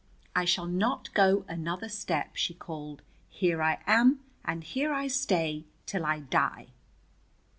"I shall not go another step," she called. "Here I am, and here I stay till I die."